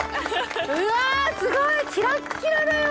うわすごいキラッキラだよ。